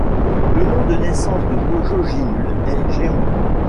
Le nom de naissance de Bojo Jinul est Jeong.